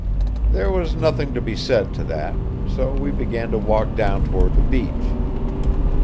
There was nothing to be said to that, so we began to walk down toward the beach.